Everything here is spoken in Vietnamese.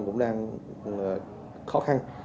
cũng đang khó khăn